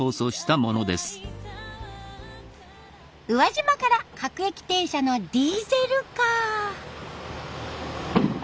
宇和島から各駅停車のディーゼルカー。